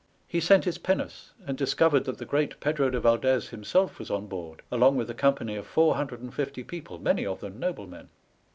He sent his pinnace and discovered that the great Pedro de Valdez himself was on board, along with a company of four hundred and fifty people, many of them noblemen.